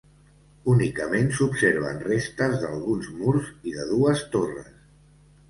Únicament s'observen restes d'alguns murs i de dues torres.